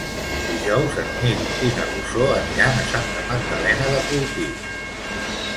Dijous en Nil i na Rosó aniran a Santa Magdalena de Polpís.